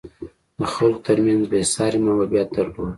د خلکو ترمنځ یې بېساری محبوبیت درلود.